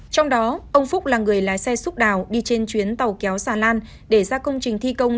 trong đó ông phúc là người lái xe xúc đào đi trên chuyến tàu kéo xà lan để ra công trình thi công